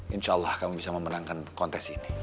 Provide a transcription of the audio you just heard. insya allah kami bisa memenangkan kontes ini